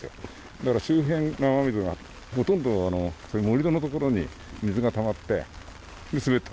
だから周辺の雨水がほとんど、盛り土の所に水がたまって、滑った。